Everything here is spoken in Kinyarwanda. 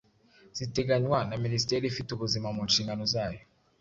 ziteganywa na minisiteri ifite ubuzima mu nshingano zayo.